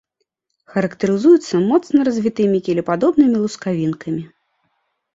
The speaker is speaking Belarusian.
Характарызуецца моцна развітымі кілепадобнымі лускавінкамі.